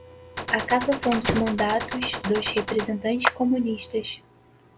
a cassação dos mandatos dos representantes comunistas